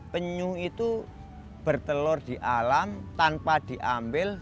penyu itu bertelur di alam tanpa diambil